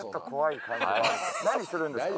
何するんですか？